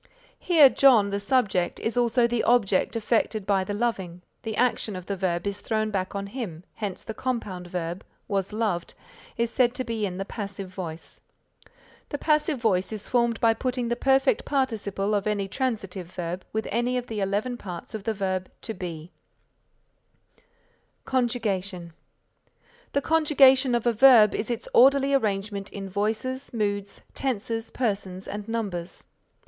Here John the subject is also the object affected by the loving, the action of the verb is thrown back on him, hence the compound verb was loved is said to be in the passive voice. The passive voice is formed by putting the perfect participle of any transitive verb with any of the eleven parts of the verb To Be. CONJUGATION The conjugation of a verb is its orderly arrangement in voices, moods, tenses, persons and numbers.